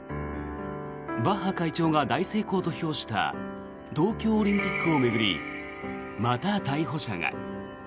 バッハ会長が大成功と評した東京オリンピックを巡りまた逮捕者が。